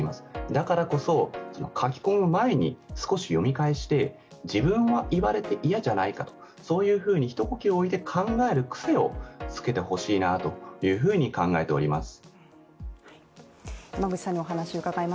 だからこそ書き込む前に少し読み返して自分は言われて嫌じゃないか、そういうふうにひと呼吸置いて考える癖をつけてほしいなと思います。